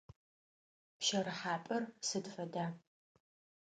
Пщэрыхьапӏэр сыд фэда?